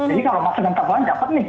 jadi kalau masukkan telepon dapat nick